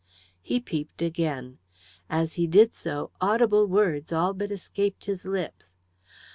He peeped again. As he did so audible words all but escaped his lips.